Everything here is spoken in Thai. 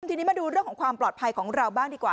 ทีนี้มาดูเรื่องของความปลอดภัยของเราบ้างดีกว่า